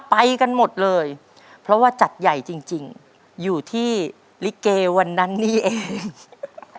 ไปกันหมดเลยเพราะว่าจัดใหญ่จริงอยู่ที่ลิเกวันนั้นนี่เอง